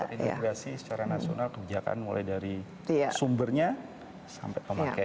harus terintegrasi secara nasional kebijakan mulai dari sumbernya sampai pemakaiannya